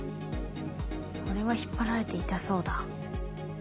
これは引っ張られて痛そうだ。